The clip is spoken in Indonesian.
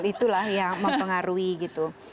itulah yang mempengaruhi gitu